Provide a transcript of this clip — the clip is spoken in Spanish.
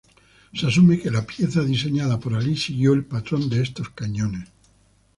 Se asume que la pieza diseñada por Alí siguió el patrón de estos cañones.